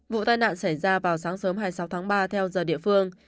vụ tai nạn xảy ra vào sáng sớm hai mươi sáu tháng ba theo giờ địa phương